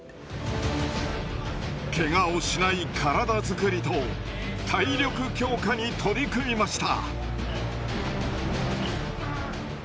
ケガをしない体づくりと体力強化に取り組みました。